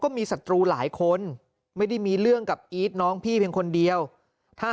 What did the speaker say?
มีศัตรูหลายคนไม่ได้มีเรื่องกับอีทน้องพี่เพียงคนเดียวถ้า